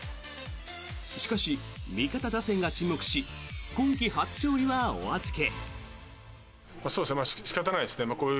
しかし、味方打線が沈黙し今季初勝利はお預け。